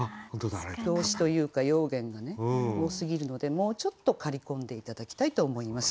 動詞というか用言がね多すぎるのでもうちょっと刈り込んで頂きたいと思います。